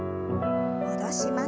戻します。